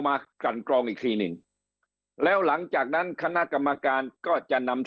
กันกรองอีกทีหนึ่งแล้วหลังจากนั้นคณะกรรมการก็จะนำ